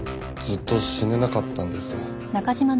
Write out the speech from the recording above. ずっと死ねなかったんです。